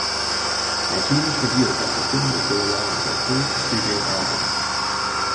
Martinez revealed that the film will go along with her third studio album.